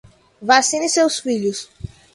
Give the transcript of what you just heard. Vacine seus filhos